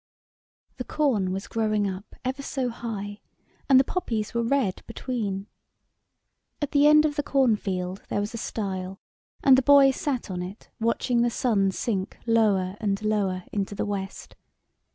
THE corn was growing up ever so high, and the poppies were red between. At the end of the corn field there was a stile, and the boy sat on it watching the sun sink lower and lower into the west.